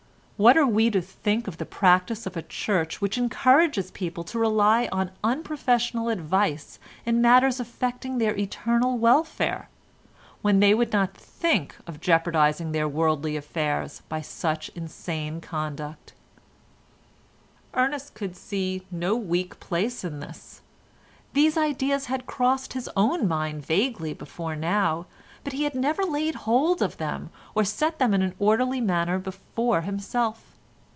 What are we to think of the practice of a Church which encourages people to rely on unprofessional advice in matters affecting their eternal welfare, when they would not think of jeopardising their worldly affairs by such insane conduct?" Ernest could see no weak place in this. These ideas had crossed his own mind vaguely before now, but he had never laid hold of them or set them in an orderly manner before himself.